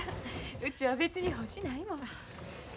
うちは別に欲しないもん。